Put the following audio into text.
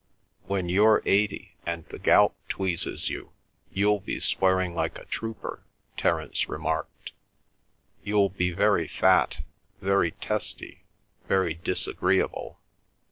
"When you're eighty and the gout tweezes you, you'll be swearing like a trooper," Terence remarked. "You'll be very fat, very testy, very disagreeable.